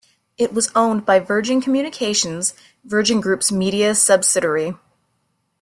It was owned by Virgin Communications, Virgin Group's media subsidiary.